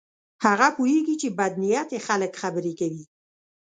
هغه پوهیږي چې بد نیتي خلک خبرې کوي.